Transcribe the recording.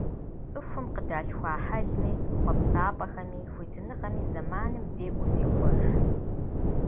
ЦӀыхум къыдалъхуа хьэлми, хъуэпсапӀэхэми, хуитыныгъэми зэманым декӏуу зехъуэж.